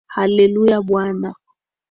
Hallelujah, Bwana